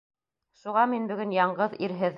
Шуға мин бөгөн яңғыҙ, ирһеҙ!